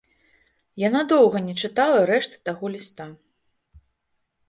Яна доўга не чытала рэшты таго ліста.